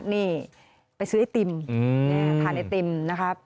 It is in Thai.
นี่ไปซื้อไอติมพาไอติมนะครับ